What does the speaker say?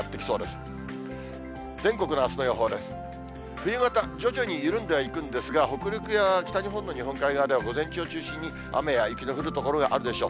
冬型、徐々に緩んではいくんですが、北陸や北日本の日本海側では、午前中を中心に雨や雪の降る所があるでしょう。